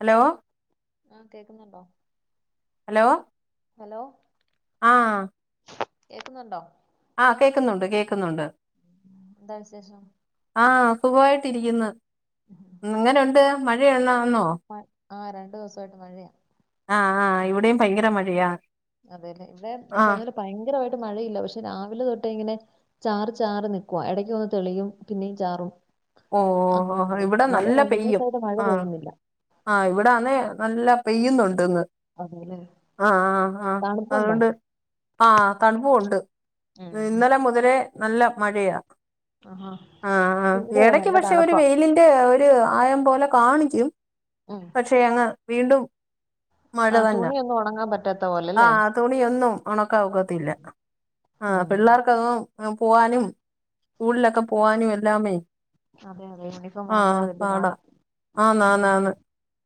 Hello ആഹ് കേക്കുന്നുണ്ടോ? Hello? Hello? ആഹ കേക്കുന്നുണ്ടോ? ആഹ കേക്കുന്നുണ്ട് കേക്കുന്നുണ്ട്. എന്താ വിശേഷം. ആഹ സുഖമായിട്ടിരിക്കുന്ന്. എങ്ങനെ ഒണ്ട് മഴയന്നാന്നോ? ആഹ് രണ്ടു ദിവസമായിട്ട് മഴയാ ആഹ ആഹ അതേല്ലേ ഇവിടെ ആഹ് [unintelligible] ഭയങ്കരമായി ട്ട് മഴയില്ല പക്ഷെ രാവിലെ തൊട്ടേ ഇങ്ങനെ ചാറി ചാറി നിക്കുവാ ഇടയ്ക്ക് ഒന്ന് തെളിയും പിന്നെയും ചാറും ഓ ഓ ഓ അങ്ങനെ തന്നെ. ഇവിടെ മഴ നല്ല കണ്ടിന്യൂസ് പെയ്യും ആയിട്ട് മഴ ആഹ് പെയ്യുന്നില്ല ആ ഇവിടാന്നേ നല്ല പെയ്യുന്നുണ്ടിന്ന്. അതെയല്ലെ? ആ ആ ആ അതുകൊണ്ട് ആ തണുപ്പു. ഒണ്ട്. ഉം ഇന്നലെ മുതലേ നല്ല മഴയാ. ആഹാ ഇവിടെയോ എടയ്ക്ക് നല്ല പക്ഷെ ഒരു തണുപ്പാ വെയിലിന്റെ ഒരു ആയം പോലെ കാണിക്കും പക്ഷെ അങ്ങ് വീണ്ടും ആ തുണിയൊന്നും ഒണങ്ങാൻ പറ്റ് ആ തുണിയൊന്നും ഒണക്കാ ഒക്കത്തില്ല ആ ഉം പിള്ളേർക്കതും പോവാനും സ്കൂളിലൊക്കെ പോവാനും എല്ലാമേ അതെ അതെ യൂണിഫോം ആ ഉണങ്ങാതെ വലിയ പാടാ, ആന്നാന്നാന്ന്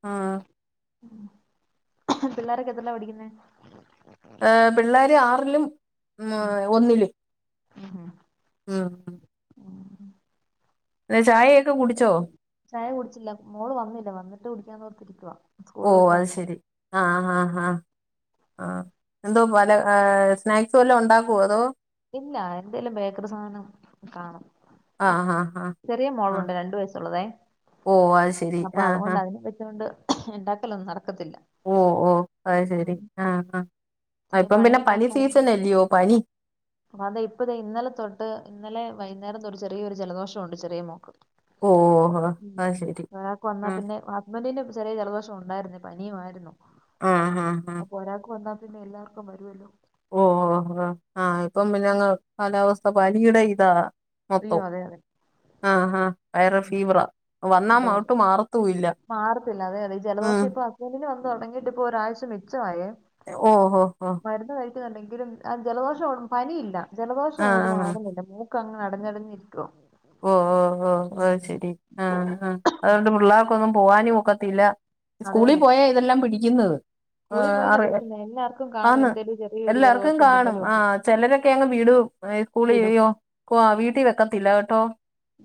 ആ പിള്ളാരക്കെത്രേലാ പഠിക്കുന്നെ? ഏ പിള്ളേര് ആറിലും ഒന്നിലും. ഉം ഉം ഉം ത് ചായേ ചായ കുടിച്ചില്ല, മോള് വന്നില്ല, വന്നിട്ട് കുടിക്കാന്നോർത്തിരിക്കുവാ ഓ സ്കൂള് വിട്ട് അത് വന്നിട്ട് ശെരി ആ ഉം. ആ ആ ആ എന്തോ പല ആ സ്നാക്സു വല്ലോം ഉണ്ടാക്കുവോ അതോ? ഇല്ല, എന്തേലും ബേക്കറി സാധനം കാണും. ആഹ് ആഹ് ആഹ് ചെറിയ ആഹ് മോളുണ്ട് രണ്ടു വയസുള്ളതേ ഓ അത് ശരി അപ്പൊ ആഹ് അതുകൊണ്ട് ആഹ് അതിനേം വെച്ചൊണ്ട് ഇണ്ടാക്കലൊന്നും നടക്ക ഓ ഓ അത് ശരി ആ ആ പിന്നെ പണിയെല്ലാം കഴിഞ്ഞോ? പനി അപ്പൊ ഇപ്പദേ ഇന്നലെ തൊട്ട് ഇന്നലെ വൈന്നേരം തൊട്ടു ചെറിയൊരു ജലദോഷം ഉണ്ട് ചെറിയ മോക്ക്. ഓ ഓ, അത് ഉം ശരി മഴൊക്കെ വന്നാ ഉം പിന്നെ ഹസ്ബൻഡിന് ചെറിയ ജലദോഷം ഉണ്ടായിരുന്നു, പനിയുമായിരുന്നു, ആഹ് ആഹ് ആഹ് അപ്പൊ ഒരാൾക്ക് വന്നാ പിന്നെ എല്ലാർക്കും വരുവല്ലോ. ഓ ഓ ഓ ആ ഇപ്പം പിന്നങ്ങു കാലാവസ്ഥ പനിയ്ടെ ഇതാ. അയ്യോ മൊത്തം, അതെ അതെ ആ ആ വൈറൽ ഉം ഫീവറാ വന്നാ അതെ അതെ ഒട്ട് മാറത്തുവില്ല. മാറത്തില്ല അതെ അതെ ഈ ജലദോഷം ഇപ്പൊ ഹസ്ബൻഡിനു വന്ന് തുടങ്ങിട്ട് ഇപ്പോ ഒരാഴ്ച മിച്ചവായെ. ഓ ഓ ണ്ടെങ്കിലും ജലദോഷം ഒള്ളു പനിയില്ല ജലദോഷം ആഹ് അങ്ങോട്ട് ആഹ് മാറുന്നില്ല മൂ. ക്കങ്ങ് അടഞ്ഞടഞ്ഞിരിക്കുവാ. ഓ ഓ ഓ ഓ ശെരി ആ അതുകൊണ്ട് പിള്ളേർക്കൊന്നും പോവാനും ഒക്കത്തില്ല. സ്കൂളിൽ അതേന്നെ പോയാ ഇതെല്ലാം പിടിക്കുന്നത്. ആ സ്കൂളിൽ പോയാലേ അറിയാം, പിടിക്കുന്നത് എല്ലാവർക്കും കാണും ആന്ന്, എന്തേലും ചെറിയൊരു എല്ലാർക്കും ജലദോഷവും കാണും, തുമ്മലും ആ ഒക്കെ ചെലരൊക്കെ അങ്ങ് വിടും സ്കൂളി വിടും ഏയ്യോ വീട്ടി വെക്കത്തില്ല. കേട്ടോ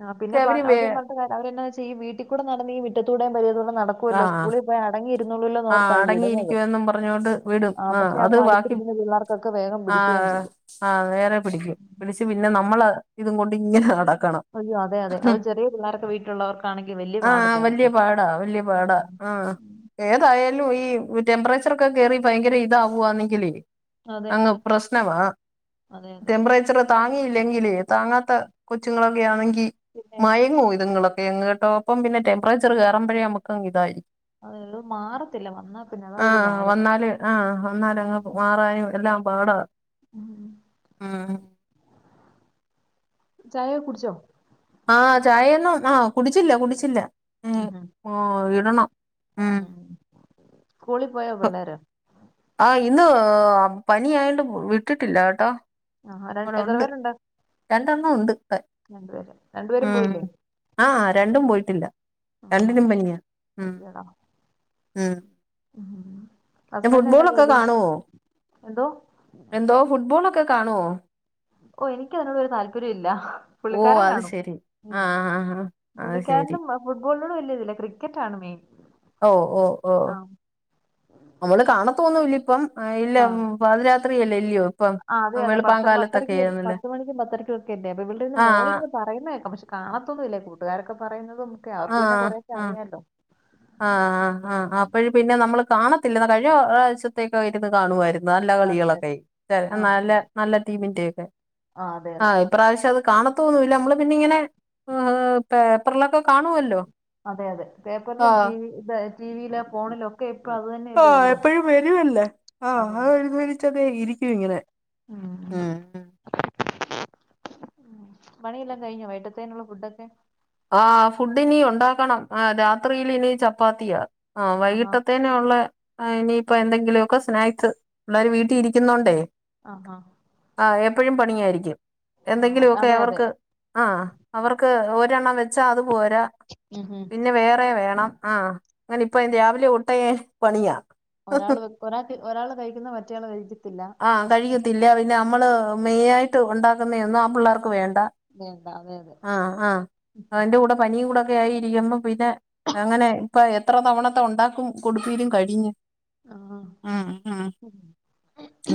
ആ പക്ഷെ പിന്നെ പ അവര് വേ അവരേം പറഞ്ഞിട്ട് കാര്യല്ല അവരെന്നാന്ന് വെച്ചാ ഈ വീട്ടിക്കുടെ നടന്നീ മിറ്റത്തൂടേം പര്യത്തൂടേം നടക്കുമല്ലോ ആഹ് സ്കൂളി പോയ് അടങ്ങിരി ആ രുന്നോളുവല്ലോന്നോർത്താ ഈ വിടുന്നത്. അടങ്ങിയിരിക്കുവെന്നും പറഞ്ഞോണ്ട് വിടും ആ പക്ഷെ അത് അപ്പൊ ബാക്കി അടുത്തിരിക്കുന്ന പിള്ളേർക്കൊക്കെ വേഗം ആ പിടിക്കുവേം ആ നേരെ പിടിക്കും പിടിച്ച് പിന്നെ നമ്മൾ ഇതും കൊണ്ട് ഇങ്ങനെ നടക്ക ക്കണം. അയ്യോ അതെ അതെ അത് ചെറിയ പിള്ളേർക്ക് വീട്ടിലുള്ളവർക്കാണെങ്കിൽ വലിയ ആ പാടല്ലേ അതൊക്കെ വല്ല്യ പാടാ വല്ല്യ ഉം പാടാ. ആ ഉം. ഏതായാലും ഈ ടെംമ്പറേച്ചറൊക്കെ കേറി ഭയങ്കര ഇതാവുവാന്നെങ്കിലേ അതെ അങ്ങ് പ്രശ്നവാ, അതെ അതെ ടെമ്പറേച്ചർ എ താങ്ങിയില്ലെങ്കിലേ, താങ്ങാത്ത കൊച്ചുങ്ങളൊക്കെ ആണെങ്കിൽ, പിന്നെ മയങ്ങും ഇതുങ്ങള് ന്നിട്ടോപ്പം പിന്നെ ടെമ്പറേച്ചർ കേറുമ്പഴേ നമുക്കങ്ങിതായി അതെ അത് മാറത്തില്ല വന്നാ പിന്നെ അതാ ആ ഒരു പാട് വന്നാല് ആ വന്നാല് അങ്ങ് ഉം മാറാനും എല്ലാം പാടാ. ഉം ആ ചായ കുടിച്ചോ? ആ ചായയൊന്നും അ കുടിച്ചില്ല കുടിച്ചില്ല ഉ ഉം ഉം ഓ ഇടണം ഉം സ്കൂളിൽ പോയോ പിള്ളേര് ആ ഇന്ന് പനിയായണ്ട് വിട്ടിട്ടില്ല കേട്ടോ ആരണ്ടഎത്ര പേരുണ്ട്? രണ്ടൊണം [unintelligible] ഉണ്ട് രണ്ടുപേര് ഉ രണ്ടുപേരും പോയില്ലേ ആ രണ്ടും പോയിട്ടില്ല ആഹാ രണ്ടിനുംപനിയാ ഉ ഉം പിന്നെ ഹസ്ബൻറ് എന്നാ ഫുട്ബോളൊക്കെ ജോലി കാണുവോ എന്തോ? ഒക്കെ കാണോ ഓ എനിക്ക്തിനോ ഒരു താല്പര്യം ഇല്ല ഓ പുള്ളിക്കാരൻ അത് കാണും ശെരി ഉം ആഹ് ആഹ് അത് ശെരി പുള്ളിക്കാരനും അത് ഫുട്‌ബോൾ തിനോട് വല്യതില്ലാ ക്രിക്കറ്റ് ആണ് മെയിൻ ഓ ഓ ഓ ആ നമ്മള് കാണത്തോന്നില്ല ഇപ്പം ആ ഇല്ല പതിരാത്രിയല്ലേ ഇല്ല്യയോ അ അതെ അതെ പത്ത് പത്തരക് പത്ത് മണിക്കും പത്തരക്കും ഒക്കെ അല്ലേ അപ്പൊ ഇവിടെ ഇരുന്ന് ആഹ് മോളിരുന്ന് പറയുന്നതേക്കാം പക്ഷെ കാണത്തതും ഇല്ലേ കൂട്ടുകാരൊക്കെ പറയുന്നതും ഒക്കെ അവർക്ക് പിന്നെ കൊറേക്കെ അറിയാല്ലോ ആആ അ അപ്പയ് പിന്നെ നമ്മള് കാണത്തില്ല എന്ന കഴിഞ്ഞഴ്ച തെക്കഇരുന്നു കാണുആയിരുന്നു നല്ല കാണും. കളികളൊക്കെ ആ നല്ല നല്ല ടീമിന്റക്കെ ആ, അതെ അ അതെ ഇപ്രാവശ്യം അത് കാണത്തോന്നുംല്ല നമ്മള് പിന്നെ ഇങ്ങനെ ഏ പേപ്പറിലൊക്കെ കാണുവല്ലോ അതെ അതെ പേപ്പറിലും ആഹ് ടി ഇ ടി വിയില ഫോണില് ഒക്കെ അത് ആ തന്നെയല്ലേ ഉള്ളൂ എപ്പോഴും വരുല്ലേ ആ അതെ അത് അതെ വന്ന് വരിച്ചതെ ഇരിക്കും ഇങ്ങനെ ഹ് മ് [unintelligible] ഉ പണിയെല്ലാം കഴിഞ്ഞൊ വൈട്ടത്തേന്നുള്ള ഫുഡൊക്കെ ആ ഫുഡിനി ഉണ്ടാക്കണം അ രാത്രിയിൽ ഇനി ചപ്പാത്തിയാ ആ ആഹാ വൈകിട്ടത്തേനെയുള്ളെ അ ഇനിയിപ്പോഎന്തെങ്കിലുമൊക്കെ സ്നേക്സ് പിള്ളേർ വീട്ടിൽഇരിക്കുന്നുണ്ടെ അ ഹാ അ ഏപ്പോഴും പണിയായിരിക്കും എന്തെങ്കിലുമൊക്കെ അതെ അതെ അവർക്ക് ആ അവർക്ക് രെണ്ണം വെച്ചാ അത് പോരാ ഉം ഉം. പിന്നെ വേറെ വേണം ആ അങ്ങനെ ഇപ്പ രാവിലെ ഉട്ടയെ പണിയാ ഒരാൾ വെ ഒരാൾക്ക് ഒരാൾ കഴിക്കുന്ന മറ്റയാൾ കഴിക്കത്തില്ല ആഹ് കഴിക്കത്തില്ല പിന്നെ നമ്മള് മെയിനായിട്ട് ഉണ്ടാക്കുന്നെ ആ പിള്ളേർക്ക് വേണ്ട വേണ്ട അതെ അതെ ആ ആ അവന്റെ കൂടെ പ നീ കൂടക്കായിരിക്കുമ്പ പിന്നെ അങ്ങനെ ഇപ്പ എത്ര തവണത്തെ ഉണ്ടാക്കും കൊടുപിലും കഴിഞ്ഞ് ആഹാ. മ് മ് ഉം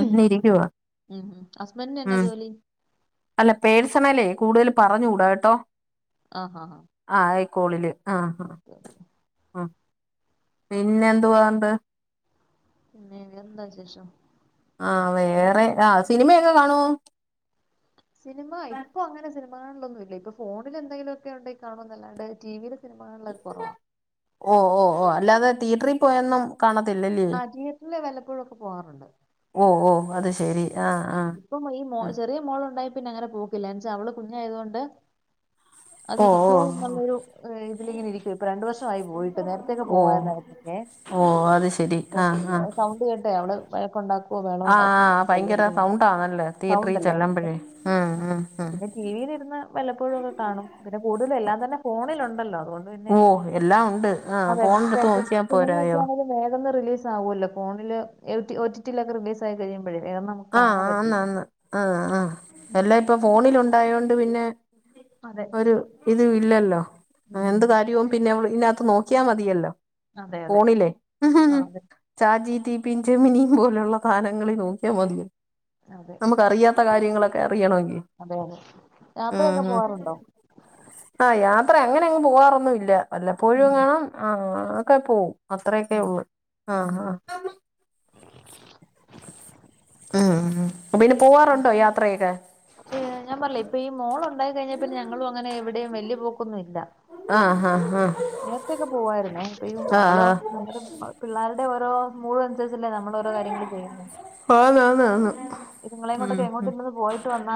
ഒന്ന് ഇരിക്കുവാ ഉം ഹസ്ബൻഡിന് എന്നാ ഉം ജോലി അല്ല പേഴ്സണേലേ കൂടുതൽ പറഞ്ഞുകൂടാ കേട്ടോ അ ഹ ഹ സ്കൂളില് അ അ പിന്നെന്തോണ്ട് പിന്നെന്താശേഷം ആ വേറെ ആ സിനിമയൊക്കെ കാണുവോ? സിനിമ ഇപ്പൊ അങ്ങനെ സിനിമപ്പെങ്ങനെ സിനിമ കാണിലൊന്നുമല്ല ഇപ്പൊ ഫോണിൽ എന്തെങ്കിലുമൊക്കെ ഉണ്ടെ കാണോന്നല്ലാണ്ട് ടിവിൽ ഓ ഓ ഓ അല്ലാതെ തീയറ്ററിൽ പോയന്നും അ ടിയെറ്ററില് വല്ലപ്പോഴൊക്കെ പോകാറുണ്ട് ഓ ഓ അത് ശെരി ആഹ് ആഹ് ഇപ്പം ഈ മോ ഉം ചെറിയ മോളുണ്ടായ പിന്നെ അങ്ങനെ പോക്കില്ല എന്താച്ചാ അവള് കുഞ്ഞായതൊണ്ട് അത് ഓ ഇരിക്കുവോ ഓ എന്നുള്ളൊരു ഇതിലെങ്ങെനേ ഇരിക്കുവ ഇപ്പൊ രണ്ട് വർഷം [unintelligible] ആയി പോയിട്ട് നേരത്തൊക്കെ ഓ പോവരുന്നെ ഓ അത് ശെരി ഇപ്പൊ ആഹ് സൗണ്ട് കേട്ടെ അവള് വഴക്ക് ഉണ്ടാക്ക ആ ആ ഭയങ്കര സൗണ്ട് [unintelligible] സൗണ്ട് തിയേറ്ററിൽ അല്ലേ അതുകൊണ്ട് ചെല്ലുമ്പഴെ മം ആ. മം മം പിന്നെ ടിവിയിലിരുന്ന് വല്ലപ്പോഴും ഒക്കെ കാണും പിന്നെ കൂടുതല് എല്ലാം തന്നെ ഫോണിലുണ്ടല്ലോ അതുകൊണ്ട് പിന്നെ ഓ എല്ലാം ഉണ്ട് ആഹ് അതെ ഫോണെടുത്ത് പ്രേത നോക്കിയാ സിനിമ ഒക്കെ പോരായോ ആണെലും വേഗ‌ റിലീസ് ആവൂലോ ഫോണില് ഓ ടി ടി ലൊക്കെ റിലീസ് ആയി കഴിയുമ്പഴെ ആ ആന്ന്‌ ആന്ന് ആ ആ ഉം, എല്ലാ ഇപ്പോ ഫോണിൽ ഉണ്ടായോണ്ട് പിന്നെ അതെ ഒരു ഇതും ഇല്ലല്ലോ ഉം എന്ത് കാര്യവും പിന്നെ ഇതിനകത്ത് നോക്കിയാൽ മതിയല്ലോ അതെ അതെ ഫോണിലെ ഹ് ആ, ഹ് അതെ ചാറ്റ് ജി പി റ്റി ജെമിനിയും പോലെയുള്ള സാധനങ്ങളിൽ നോക്കിയാൽ മതിയല്ലോ അതെ നമുക്ക് അറിയാത്ത കാര്യങ്ങളൊക്കെ അറിയണമെങ്കിൽ അതെ അതെ ആ യാത്രയൊക്കെ ഹ് പോവാറുണ്ടോ ആ യാ യാത്ര അങ്ങനെ അങ്ങ് പോവാറൊന്നുമില്ല വല്ലപ്പോഴും എ ഉം, ങ്ങാണം ഒക്കെ പോവും അത്രയെക്കെ ഉം. ഉള്ളൂ ആ ഉം ഉം. ആ അ ആ അപ്പോ പിന്നെ പോവാറുണ്ടോ യാത്രയെക്കെ ഞാൻ പറഞ്ഞില്ലേ ഇപ്പോ ഈ മോള് ഉണ്ടായി കഴിഞ്ഞാ പിന്നെ ഞങ്ങളും അങ്ങനെ എവിടെയും വലിയ പോക്കൊന്നുമില്ല ആഹ് ആഹ് ആഹ് നേരത്തെക്കെ പോവായിരുന്നേ ഇപ്പം ഈ നമ്മളും ആഹ് നമ്മുടെ മക്ക പിള്ളാരു രുടെ ഓരോ മൂട് അനുസരിച്ചല്ലേ നമ്മൾ ഓരോ കാര്യങ്ങള് ചെയ്യുന്നേ ആന്ന് ആന്ന് ആന്ന് ഉം ഇതുങ്ങളെകൊണ്ടൊക്കെ ഉം എങ്ങോട്ടെങ്കിലും പോയിട്ട് വന്നാ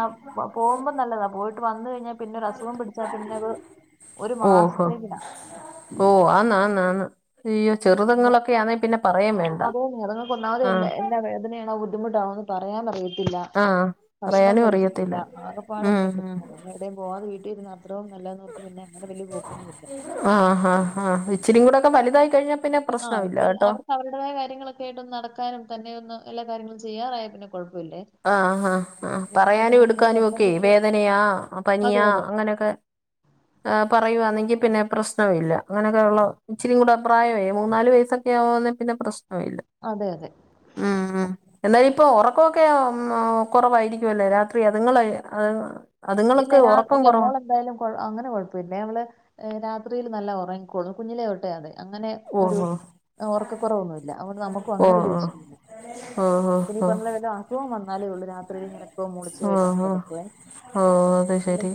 പോകുമ്പോൾ നല്ലതാ പോയിട്ട് വന്ന്‌ കഴിഞ്ഞ പിന്നെ ഒരസുഖം പിടിച്ചാ പിന്നെ അത് ഒരു ഓഹോ മാസത്തേക്കിനാ ഓ ആന്ന്‌ ആന്ന്‌ ആന്ന്‌ വേണ്ട അതെ അതെന്നെ അതങ്ങൾക്ക് ഒന്നാമത് എ ആഹ് എന്നാ വേദനയാണോ ബുദ്ധിമുട്ടാണോന്ന്‌ പറയാൻ അറിയി ത്തില്ല ആഹ് ഭക്ഷണം പറയാനും കഴിക്കത്തില്ല അറിയത്തില്ല ആകപ്പാടെ ഉം പിന്നെ പ്രശ്നമാ പിന്നെ എവിടേയും പോവാതെ വീട്ടിലിരുന്നാ ആ ആ ആഹ് ഇച്ചിരി കൂടെക്കെ വലുതായി കഴിഞ്ഞ പിന്നെ ആ പ്രശ്നമില്ല കേട്ടോ അവർക്ക് അവരുടേതായ കാര്യങ്ങളൊക്കെ ആയിട്ടൊന്ന് നടക്കാനും തന്നെ ഒന്ന് എല്ലാ കാര്യങ്ങളും ചെയ്യാറായ പിന്നെ കുഴപ്പമില്ലേ ആ ആ ആ പിന്നെ പറയാനും നമ്മൾ എടുക്കാനും ഒക്കെ നിർബന്ധിച്ച് വേദനയാ അതെ പനിയാ അതെ അങ്ങനെയെക്കെ ആ പറയുവാന്നെങ്കിൽ പിന്നെ പ്രശ്നം ഇല്ല അങ്ങനെയൊക്കെയുള്ള ഇച്ചരി കൂടെ പ്രായമേ മൂന്നാല് വയസെ ക്കെ ആവുആന്നേ പിന്നെ പ്രശ്നം ഇല്ല അതെ അതെ ഉം ഉം എന്തായാലും ഇപ്പോ ഉറക്ക ക്കെ കൊറവായിരിക്കുവല്ലേ രാത്രി അതുങ്ങള് അ ഇല്ല രാ ഇല്ല മോളെന്തായാലും കൊ അങ്ങനെ കൊഴപ്പമില്ലേ അവള് രാത്രിയില് നല്ല ഉറങ്ങിക്കൊള്ളും കുഞ്ഞിലെതൊട്ടെ അതെ അങ്ങനെ ഒരു ഓഹ് ഒർക്കക്കൊ റവൊന്നുമില്ല അതുകൊണ്ട് നമുക്കും അങ്ങനെ ഓഹ് വലിയ ഓഹ് വിഷയമില്ല ഓഹ് ഓഹ് പിന്നെ ഓഹ് ഈ ഓഹ് പറഞ്ഞപോലെ വല്ല അസുഖം വന്നാലേ ഉള്ളൂ രാത്രിയില് ഞരക്കവും മൂളിച്ചയായിട്ടങ്ങ് കെടക്കുവേ ഓ അത് ശെരി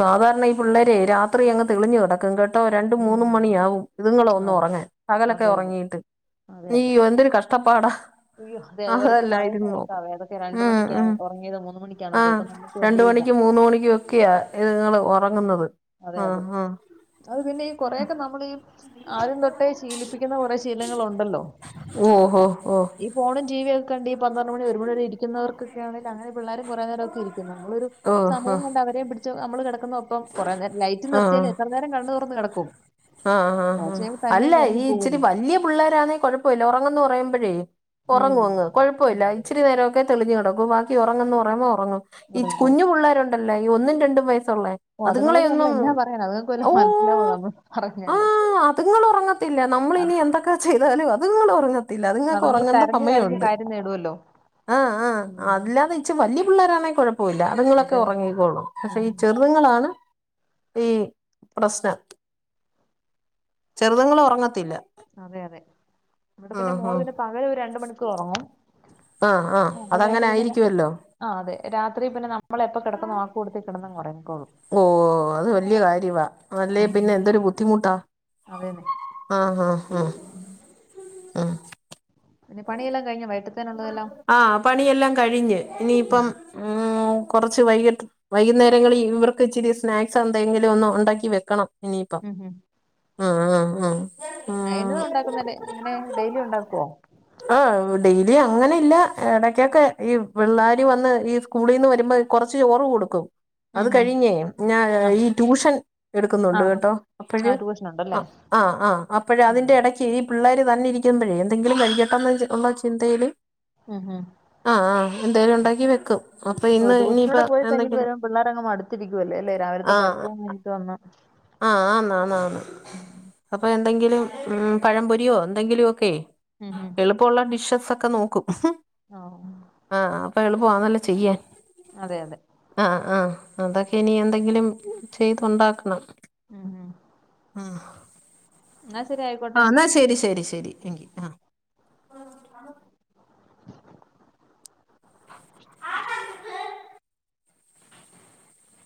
സാധാരണ ഈ പിള്ളേരെ രാത്രി അങ്ങ് തെളിഞ്ഞു കിടക്കും കെട്ടോ കെട്ടോ രണ്ടും മൂന്ന്‌ ഉം മണിയാവും ഇതുങ്ങള് ഒന്ന് അതെ ഉറങ്ങാൻ പ കലൊക്കെ അതെ അതെ ഉറങ്ങീട്ട് അതെ അതെ ഇയ്യോ എന്തൊരു കഷ്ട അയ്യോ അതെ അത് ഓരോരുത്തർ പറയുന്ന അതല്ലായിരുന്നു നോക്കും കേൾക്കാവേ അതൊക്കെ രണ്ടു ഉം മണിക്കാ ഉം ഉറങ്ങിയത് മൂന്ന് ആ മണിക്കാന്നൊക്കെ അപ്പൊ നമുക്ക് രണ്ട് വലിയ ഇതാ മണിക്കും മൂന്ന്‌ മണിക്കും ഒക്കെയാ ഇതുങ്ങള് ഉറങ്ങുന്നത് അതെ ആ അതെ ആഹാ അത് പിന്നെ ഈ കൊറെക്കെ നമ്മള് ഈ ആദ്യം തൊട്ടേ ശീലിപ്പിക്കുന്ന കുറെ ശീലങ്ങൾഉണ്ടല്ലോ ഓഹോ ഓ ടിവി ഒക്കെ കണ്ടി പന്ത്രണ്ട് മണി ഒരു മണി വരെ ഇരിക്കുന്നവർക്കൊക്കെ ആണെല് അങ്ങനെ പിള്ളാരും കൊറെ നേരമൊക്കെ ഇരിക്കും നമ്മളൊരു ഓഹ് സമയം ആഹ് കണ്ട് അവരെ പിടി ച്ച് നമ്മള് കിടക്കുന്നൊപ്പം കൊറേ നേരം ലൈറ്റ് നിർത്തിയൽ എത്ര നേരം കണ്ണ് തൊറന്ന് കെടക്കും ആ ആ ആ അല്ല അങ്ങ് ഈ ഉറങ്ങി പോകുമല്ലോ ഇച്ചിരി വലിയ പിള്ളാരാന്നേ കൊഴപ്പമില്ല ഉറങ്ങന്ന് പറയുമ്പഴേ ഉം ഉറങ്ങും അങ്ങ് ഉം കൊഴപ്പമില്ല ഇച്ചരി നേരം ഒക്കെ തെളിഞ്ഞുകിടക്കു ബാക്കി ഉറങ്ങന്ന്‌ പറയുമ്പോ ഉറങ്ങും ഈ ഉറങ്ങിക്കോളും. കുഞ്ഞു പിള്ളേരുണ്ടല്ലേ ഈ ഒന്നും രണ്ടും വയസ് ള്ളേ ഓ അതുങ്ങളോട് നമ്മൾ അതുങ്ങളെയൊന്നും എന്നാ പറയണം അതുങ്ങൾക്ക് ഓ വല്ലതും മനസ്സിലാവോ നമ്മൾ ആ പറഞ്ഞാല് അതുങ്ങള് ഒറങ്ങത്തില്ല നമ്മള് അത് ഇനി എന്തൊക്കെ ചെയ്താലും അതങ്ങള് ഒറങ്ങത്തി ല്ല അത്ങ്ങെക്ക് അതുങ്ങൾ ഒറങ്ങേണ്ട കരഞ്ഞു കരഞ്ഞു സമയൊണ്ട് കാര്യം നേടുമല്ലോ ആ ആ ഉം അല്ലാതെ ഇച്ച വല്യ പിള്ളേരാണേ കുഴപ്പമില്ല അതുങ്ങളൊക്കെ അതെ ഉറങ്ങിക്കോള്ളും പക്ഷെ ഉം ഈ ചെറുതുങ്ങളാണ് ഈ പ്രശ്നം ചെറുതുങ്ങൾ ഒറങ്ങത്തില്ല അതെ അതെ ഇവടെ പിന്നെ മോള് ആഹ് പിന്നെ പകല് ഒരു രണ്ട് മണിക്കൂർ ഒറങ്ങും ആഹ് ആഹ് അതങ്ങനെ ആയിരിക്കുവല്ലോ ആ അതെ രാത്രി പിന്നെ നമ്മള് എപ്പ കിടക്കുന്നോ ആ കൂട്ടത്തി കിടുന്നങ്ങുറങ്ങിക്കോളും അല്ലെ പിന്നെ എന്തൊരു ബുദ്ധിമുട്ടാ അതേന്നെ ആഹ് ഹ ഹ ആഹ് പിന്നെ പണിയെല്ലാം കഴിഞ്ഞോ വൈ ആഹ് പണിയെല്ലാം കഴിഞ്ഞ് ഉം ഇനിയിപ്പം ഉം കുറച്ച് വൈകിട്ട് വൈകുന്നേരങ്ങളിൽ ഇവർക്ക് ഇച്ചിരി സ്നാക്സ് എന്തെങ്കിലും ഒന്ന് ഒണ്ടാക്കി വെക്കണം ഉം ഉം ആഹ് ആഹ് ആഹ് നൈനു ഒണ്ടാക്കുന്ന അങ്ങനെ ഡെയ്ലി ഉണ്ടാക്കുവോ ഏയ് അങ്ങനെ ഇല്ല ഇടക്കൊക്കെ ഈ പിള്ളാര് വന്ന് ഈ സ്കൂളിന്ന് വരുമ്പോ കൊറച്ച് ചോറ് കൊടുക്കും അത് ഉം ഉം കഴിഞ്ഞേ ഞാൻ ആ ഈ ട്യൂഷൻ ആ എടുക്കുന്നുണ്ട് കേട്ടോ ആ ആ അപ്പഴ് ട്യൂഷൻ ആ ഉണ്ടല്ലേ ആ ആ അപ്പഴ് ഉം അതിന്റെ എടയ്ക്ക് ഈ പിള്ളേര് തന്നെ ഇരിക്കുമ്പഴേ എന്തെങ്കിലും കഴിക്കട്ടെന്ന് ഒ ള്ള ചിന്തയില് ഉം ഉം ആഹ് ആഹ് എന്തേലും ഒണ്ടാക്കി വെക്കും അപ്പൊ ഓ ഇന്ന് ട്യൂഷൻ ഇനിയിപ്പ കൂടെ പോയി കഴിഞ്ഞിട്ട് എന്തെങ്കിലും വരുമ്പോം പിള്ളേരങ്ങ് മടുത്തിരിക്കുവ അല്ലേ ല്ലേ രാവിലത്തെ പഠിത്തോം കഴിഞ്ഞിട്ട് വന്ന് ആ ആന്നാന്നന്ന് ഉം അപ്പൊ എന്തെങ്കിലും ഉം പഴംപൊരിയോ എന്തെങ്കിലു ഒക്കെ ഉം ഉം എളുപ്പമുള്ള ഡിഷസ് ഒക്കെ നോക്കും ഓ ആ അപ്പൊ എള പ്പോ ആന്നല്ലോ ചെയ്യാൻ അതെ അതെ ആഹ് ആഹ് അതൊക്കെ ഇനി എന്തെങ്കിലും ചെയ്തൊണ്ടാക്കണം ഉം ഉം ആഹ് എന്നാ ശരി ആയിക്കോട്ടെ ആഹ് എന്നാ ശരി ശരി ശരി എങ്കി ആഹ്